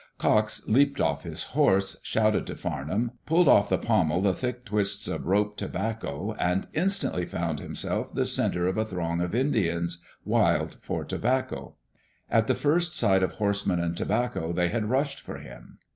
Cox jumped off his horse, shouted to Famham, pulled off the pommel the thick twists of rope tobacco — and instantly found himself the center of a throng of Indians, wild for tobacco. At the first sight of horseman and tobacco they had rushed for him.